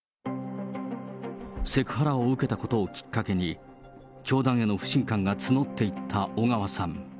セクハラを受けたことをきっかけに、教団への不信感が募っていった小川さん。